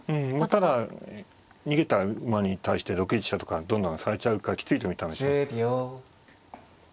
ただ逃げた馬に対して６一飛車とかどんどんされちゃうからきついと見たんでしょうね。